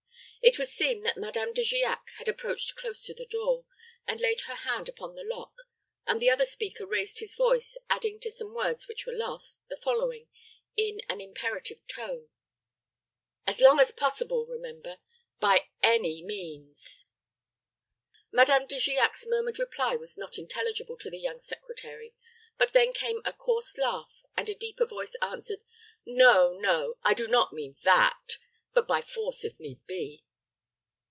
It would seem that Madame De Giac had approached close to the door, and laid her hand upon the lock, and the other speaker raised his voice, adding to some words which were lost, the following, in an imperative tone, "As long as possible, remember by any means!" Madame De Giac's murmured reply was not intelligible to the young secretary; but then came a coarse laugh, and the deeper voice answered, "No, no. I do not mean that; but by force, if need be."